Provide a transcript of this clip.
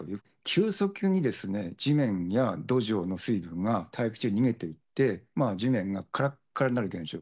急速に地面や土壌の水分が大気中に逃げていって、地面がからっからになる現象。